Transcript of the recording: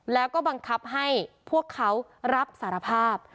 แล้วก็บังคับให้พวกเขารับสารภาพ